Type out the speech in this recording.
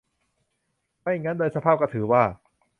ไม่งั้นโดยสภาพก็ถือว่า